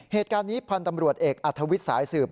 เหตุการณ์นี้พันธ์ตำรวจเอกอัธวิทย์สายสืบ